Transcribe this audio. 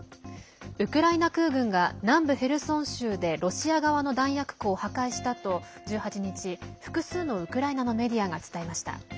ウクライナ空軍が南部ヘルソン州でロシア側の弾薬庫を破壊したと１８日、複数のウクライナのメディアが伝えました。